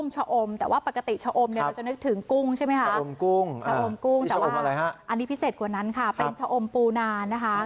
ชะอมพูนา